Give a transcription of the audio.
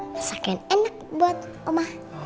masak yang enak buat oma